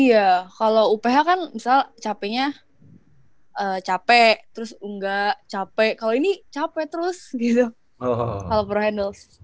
iya kalo uph kan misal capeknya capek terus enggak capek kalo ini capek terus gitu kalo pro handles